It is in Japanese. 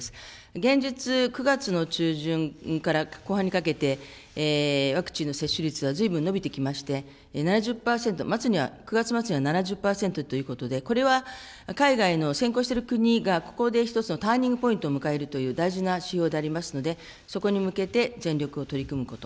現実、９月の中旬から後半にかけて、ワクチンの接種率はずいぶん伸びてきまして、７０％、末には、９月末には７０％ということで、これは海外の先行している国が、ここで一つのターニングポイントを迎えるという大事な指標でありますので、そこに向けて全力で取り組むこと。